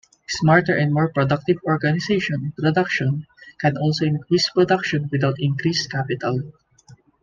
Smarter and more productive organization of production can also increase production without increased capital.